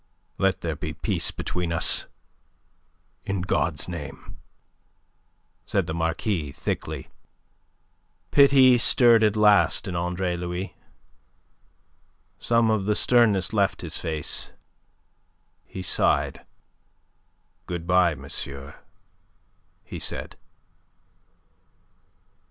"Let there be peace between us, in God's name," said the Marquis thickly. Pity stirred at last in Andre Louis. Some of the sternness left his face. He sighed. "Good bye, monsieur," he said.